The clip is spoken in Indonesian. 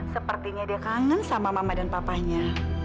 sepertinya dia kangen sama mama dan papanya